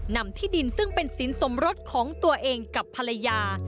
นำที่ดินซึ่งเป็นสินสมรสของตัวเองกับภรรยา